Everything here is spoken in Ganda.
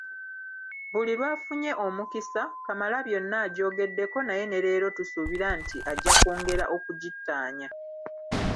Buli lwafunye omukisa, Kamalabyonna agyogeddeko naye ne leero tusuubira nti ajja kwongera okugittaanya.